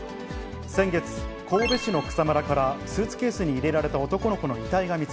先月、神戸市の草むらからスーツケースに入れられた男の子の遺体が見つ